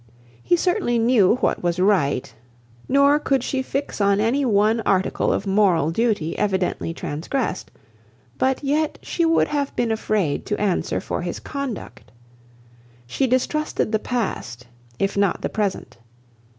He certainly knew what was right, nor could she fix on any one article of moral duty evidently transgressed; but yet she would have been afraid to answer for his conduct. She distrusted the past, if not the present.